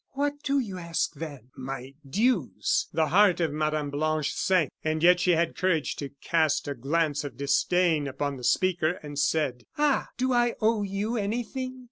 "What do you ask then?" "My dues." The heart of Mme. Blanche sank, and yet she had courage to cast a glance of disdain upon the speaker, and said: "Ah! do I owe you anything?"